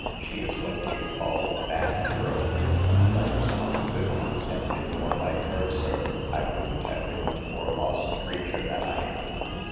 She is what you'd call a bad girl ; but if some of the good ones had been more like her, sir, I wouldn't have been the poor lost creature that I am.